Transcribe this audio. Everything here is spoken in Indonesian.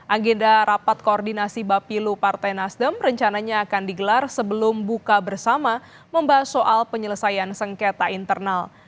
agenda rapat koordinasi bapilu partai nasdem rencananya akan digelar sebelum buka bersama membahas soal penyelesaian sengketa internal